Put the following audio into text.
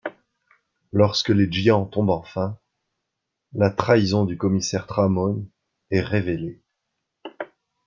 Lorsque les Djian tombent enfin, la trahison du commissaire Tramoni est révélée...